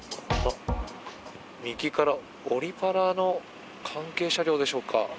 右からオリ・パラの関係車両でしょうか。